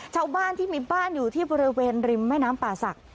ชาวบ้านที่มีบ้านอยู่ที่บริเวณริมแม่น้ำป่าศักดิ